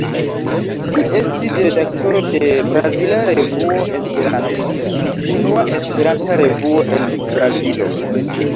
Li estis redaktoro de Brazila Revuo Esperantista, unua Esperanta revuo en Brazilo.